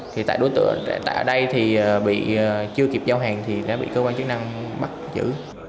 thì tại đối tượng tại đây thì bị chưa kịp giao hàng thì đã bị cơ quan chức năng bắt giữ